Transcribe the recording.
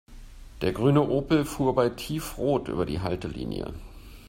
Der grüne Opel fuhr bei Tiefrot über die Haltelinie.